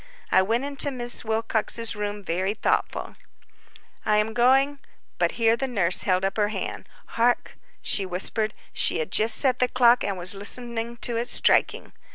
I went into Miss Wilcox's room very thoughtful. "I am going—" But here the nurse held up her hand. "Hark," she whispered; she had just set the clock, and was listening to its striking.